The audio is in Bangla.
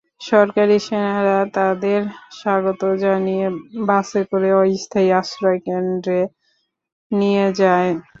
সরকারি সেনারা তাদের স্বাগত জানিয়ে বাসে করে অস্থায়ী আশ্রয়কেন্দ্রে নিয়ে যায়।